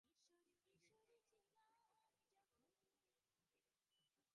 যোগী কায়মনোবাক্যে কাহারও প্রতি কখনও অনিষ্টভাব পোষণ করিবেন না।